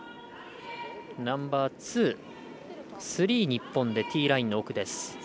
ナンバーツー、スリー日本でティーラインの奥です。